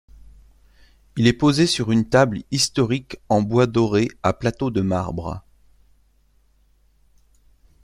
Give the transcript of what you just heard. Il est posé sur une table historique en bois doré à plateau de marbre.